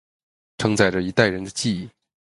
承载着一代人的记忆